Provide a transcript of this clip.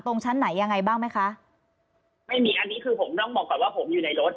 ตรงชั้นไหนยังไงบ้างไหมคะไม่มีอันนี้คือผมต้องบอกก่อนว่าผมอยู่ในรถ